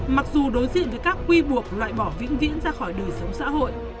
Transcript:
mặc dù đối diện với các quy buộc loại bỏ vĩnh viễn ra khỏi đời sống xã hội